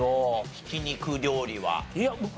ひき肉料理は？